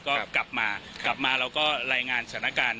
กลับมาเราก็ลายงานสถานการณ์